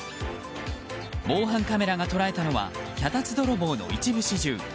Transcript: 防犯カメラが捉えたのは脚立泥棒の一部始終。